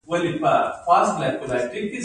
آیا د ځمکې قبالې شرعي دي؟